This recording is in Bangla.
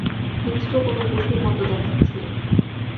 হিংস্র কোনো পশুর মতো দেখাচ্ছে।